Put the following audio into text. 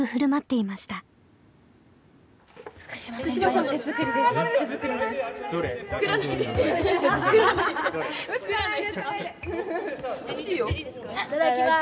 いただきます！